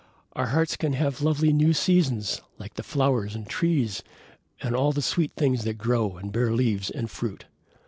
Our hearts can have lovely new seasons, like the flowers and trees and all the sweet things that grow and bear leaves and fruit.